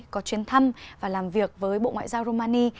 có chuyến thăm và làm việc với bộ ngoại giao rumani